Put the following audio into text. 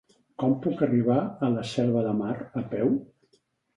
Com puc arribar a la Selva de Mar a peu?